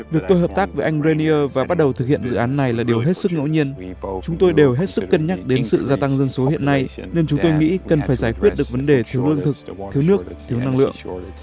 việc tôi hợp tác với anh raier và bắt đầu thực hiện dự án này là điều hết sức ngẫu nhiên chúng tôi đều hết sức cân nhắc đến sự gia tăng dân số hiện nay nên chúng tôi nghĩ cần phải giải quyết được vấn đề thiếu lương thực thiếu nước thiếu năng lượng